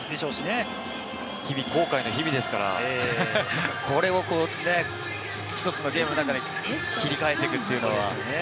後悔の日々ですから、１つのゲームの中でこれを切り替えていくというのは。